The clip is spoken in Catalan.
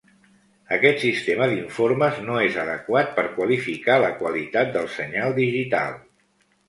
Aquest sistema d'informes no és adequat per qualificar la qualitat del senyal digital.